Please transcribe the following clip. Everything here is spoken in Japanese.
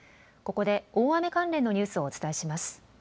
ここで大雨関連のニュースをお伝えします。